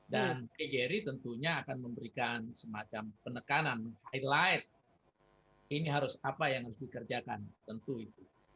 dan pak jerry tentunya akan memberikan semacam penekanan highlight ini harus apa yang harus dikerjakan tentu itu